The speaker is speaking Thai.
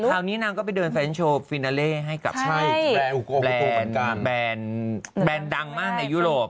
คราวนี้นางก็ไปเดินแฟชั่นโชว์ฟินาเล่ให้กับแนนดังมากในยุโรป